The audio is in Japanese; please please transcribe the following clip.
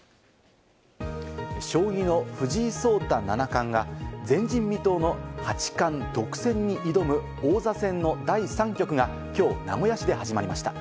将棋の藤井聡太七冠が前人未到の八冠独占に挑む王座戦の第３局がきょう名古屋市で始まりました。